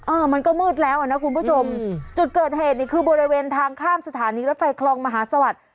มันก็มืดแล้วอ่ะนะคุณผู้ชมจุดเกิดเหตุนี่คือบริเวณทางข้ามสถานีรถไฟคลองมหาสวัสดิ์